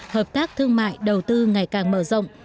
hợp tác thương mại đầu tư ngày càng mở rộng